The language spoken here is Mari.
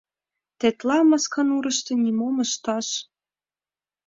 Тетла Масканурышто нимом ышташ.